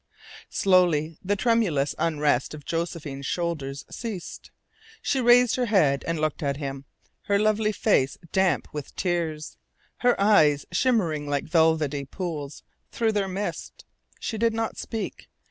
Slowly the tremulous unrest of Josephine's shoulders ceased. She raised her head and looked at him, her lovely face damp with tears, her eyes shimmering like velvety pools through their mist. She did not speak.